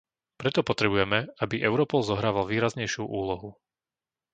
Preto potrebujeme, aby Europol zohrával výraznejšiu úlohu.